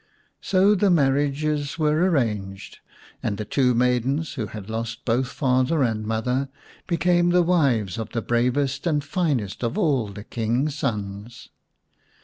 So the marriages were arranged, and the two maidens, who had lost both father and mother, became the wives of the bravest and finest of all the King's sons.